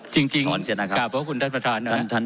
จริงจริงกลับกับคุณท่านประธานนะครับ